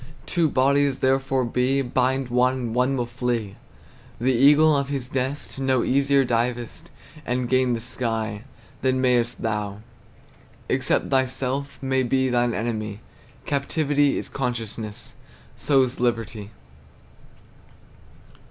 Two bodies therefore be; Bind one, and one will flee. The eagle of his nest No easier divest And gain the sky, Than mayest thou, Except thyself may be Thine enemy; Captivity is consciousness, So's liberty.